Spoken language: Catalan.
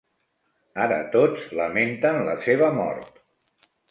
Ara tots lamenten la seva mort.